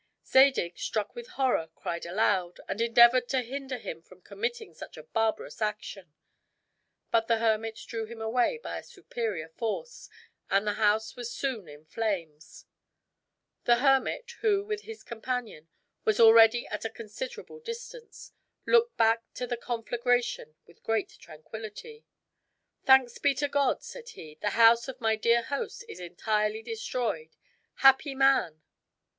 Zadig, struck with horror, cried aloud, and endeavored to hinder him from committing such a barbarous action; but the hermit drew him away by a superior force, and the house was soon in flames. The hermit, who, with his companion, was already at a considerable distance, looked back to the conflagration with great tranquillity. "Thanks be to God," said he, "the house of my dear host is entirely destroyed! Happy man!"